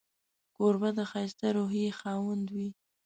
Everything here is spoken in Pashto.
کوربه د ښایسته روحيې خاوند وي.